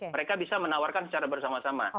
mereka bisa menawarkan secara bersama sama